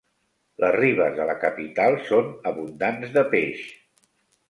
Les ribes de la capital són abundants de peix.